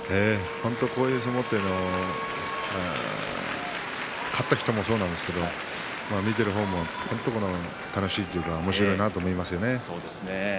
こういう相撲というのは勝った人もそうなんですけど見ている方も本当に楽しいというかおもしろいと思いますよね。